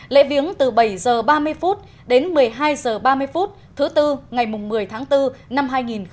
lễ viếng từ bảy h ba mươi đến một mươi hai h ba mươi thứ tư ngày một mươi tháng bốn năm hai nghìn một mươi chín